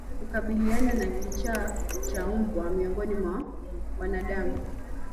Kukabiliana na kichaa cha mbwa miongoni mwa wanadamu